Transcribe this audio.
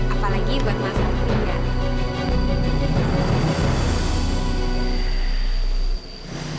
apalagi buat mas satria